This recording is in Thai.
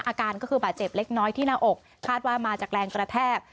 อาการก็คือบาดเจ็บเล็กน้อยที่หน้าอกคาดว่ามาจากแรงกระแทก